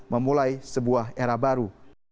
memulai sebuah era baru